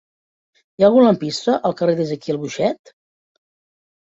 Hi ha algun lampista al carrer d'Ezequiel Boixet?